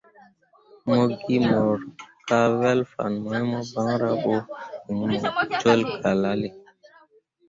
Mo gi mor kah vǝl fan mai mo banra bo iŋ mo jol galale.